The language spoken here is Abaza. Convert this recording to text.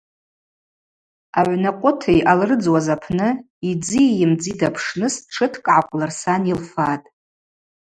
Агӏвнакъвыт йъалрыдзуаз апны йдзи йымдзи дапшныс тшыткӏ гӏакъвлырсан йылфатӏ.